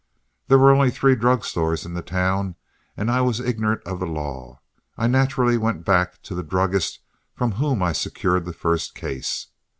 There were only three drug stores in the town, and as I was ignorant of the law, I naturally went back to the druggist from whom I secured the first case.